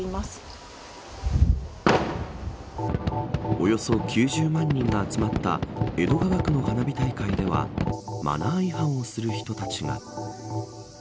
およそ９０万人が集まった江戸川区の花火大会ではマナー違反をする人たちが。